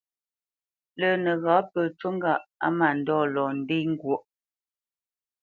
Lə́ nəghǎ pə ncû ŋgâʼ á mândɔ̂ lɔ ndê ŋgwóʼ.